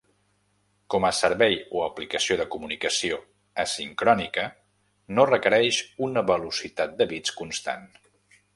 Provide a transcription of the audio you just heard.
Com a servei o aplicació de comunicació asincrònica, no requereix una velocitat de bits constant.